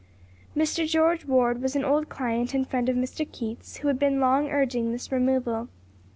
Mr. George Ward was an old client and friend of Mr. Keith's, who had been long urging this removal.